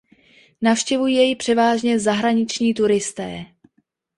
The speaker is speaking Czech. Navštěvují jej převážně zahraniční turisté.